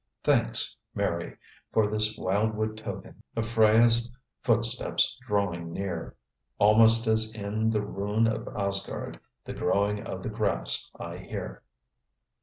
"Thanks, Mary, for this wildwood token Of Freya's footsteps drawing near; Almost, as in the rune of Asgard, The growing of the grass I hear."